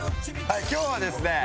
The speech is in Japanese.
はい今日はですね